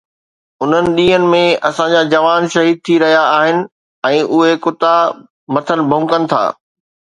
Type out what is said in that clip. انهن ڏينهن ۾ اسان جا جوان شهيد ٿي رهيا آهن ۽ اهي ڪتا مٿن ڀونڪن ٿا